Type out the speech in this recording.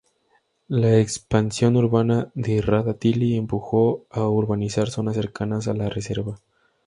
La expansión urbana de Rada Tilly empujó a urbanizar zonas cercanas a la reserva.